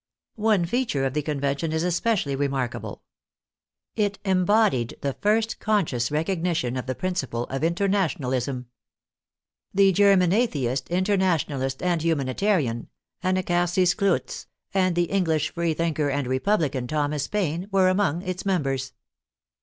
One feature of the Con vention is especially remarkable. It embodied the first conscious recognition of the principle of International ism. The German atheist, internationalist and humani tarian, Anacharsis Clootz, and the English free thinker and republican Thomas Paine, were among its members.